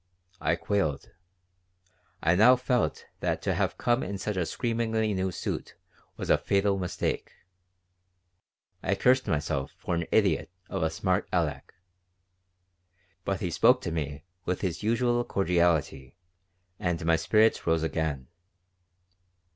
I quailed. I now felt that to have come in such a screamingly new suit was a fatal mistake. I cursed myself for an idiot of a smart Aleck. But he spoke to me with his usual cordiality and my spirits rose again.